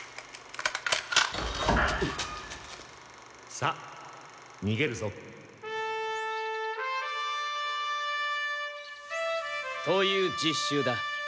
さっにげるぞ！という実習だ。